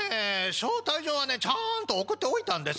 招待状はねちゃんと送っておいたんですけどね。